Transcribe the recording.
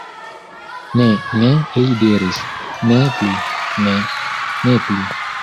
Ne, ne, li diris, Ne plu, ne, ne plu.